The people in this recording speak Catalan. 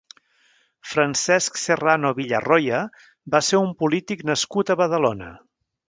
Francesc Serrano Villarroya va ser un polític nascut a Badalona.